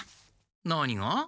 何が？